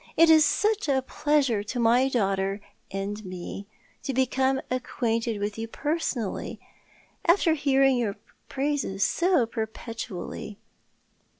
"It is such a pleasure to my daughter and me to become acquainted with you personally, after hearing your praises so perpetually."